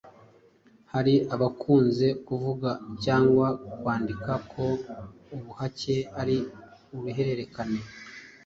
Hari abakunze kuvuga cyangwa kwandika ko ubuhake ari uruhererekane